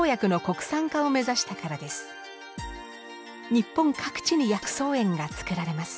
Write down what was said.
日本各地に薬草園がつくられます。